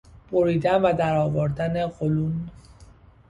بریدن و درآوردن قولون